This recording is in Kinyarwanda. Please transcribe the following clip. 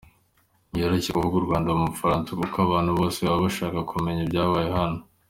Ntibyoroshye kuvuga u Rwanda mu Bufaransa kuko abantu bose baba bashaka kumenya ibyabaye hano.